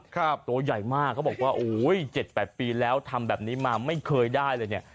ตัวใหญ่มากเขาบอกว่าโอ้ยเจ็ดแปดปีแล้วทำแบบนี้มาไม่เคยได้เลยเนี่ย